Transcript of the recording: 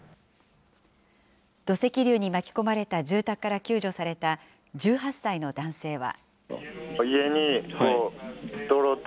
土石流に巻き込まれた住宅から救助された１８歳の男性は。